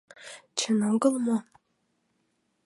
Чын огыл мо?